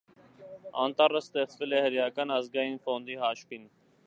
Անտառը ստեղծվել է հրեական ազգային ֆոնդի հաշվին։